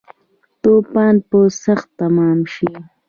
توپان به سخت تمام شی